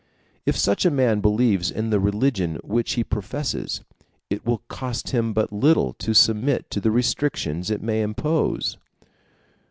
If such a man believes in the religion which he professes, it will cost him but little to submit to the restrictions it may impose.